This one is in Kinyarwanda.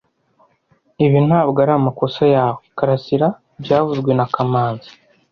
Ibi ntabwo ari amakosa yawe, Karasira byavuzwe na kamanzi